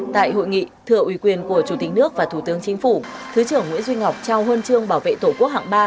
tại hội nghị thưa uy quyền của chủ tịch nước và thủ tướng chính phủ thứ trưởng nguyễn duy ngọc trao huân chương bảo vệ tổ quốc hạng ba